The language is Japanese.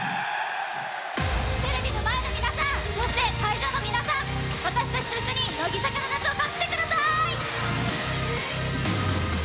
テレビの前の皆さん、そして会場の皆さん、私たちと一緒に乃木坂の夏を感じてください。